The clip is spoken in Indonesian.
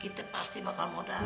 kita pasti bakal modalin